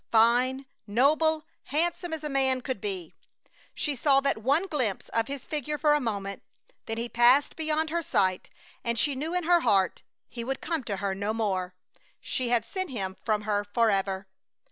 Fine, noble, handsome as a man could be! She saw that one glimpse of his figure for a moment, then he passed beyond her sight and she knew in her heart he would come to her no more! She had sent him from her forever!